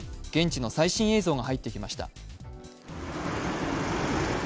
現地の最新映像が入ってきました。